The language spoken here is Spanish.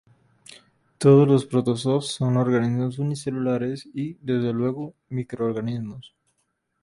Todos los protozoos son organismos unicelulares, y, desde luego, microorganismos.